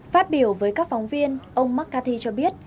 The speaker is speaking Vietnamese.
phát biểu với các phóng viên ông mccarthy cho biết